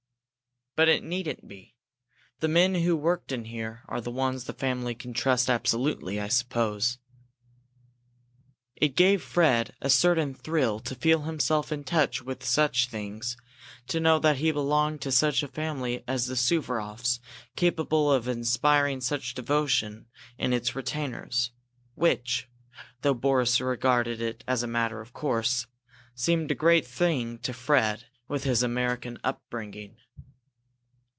"But it needn't be. The men who worked in here are the ones the family can trust absolutely, I suppose." It gave Fred a certain thrill to feel himself in touch with such things, to know that he belonged to such a family as the Suvaroffs, capable of inspiring such devotion in its retainers which, though Boris regarded it as a matter of course, seemed a great thing to Fred, with his American upbringing.